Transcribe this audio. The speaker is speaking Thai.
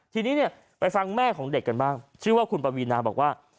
ทีนี้เนี่ยไปฟังแม่ของเด็กกันบ้างชื่อว่าคุณปวีนาบอกว่า